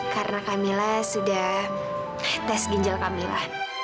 karena kamila sudah tes ginjal kamila